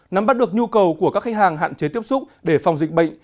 nắm bắt được nhu cầu của các khách hàng hạn chế tiếp xúc để phòng dịch bệnh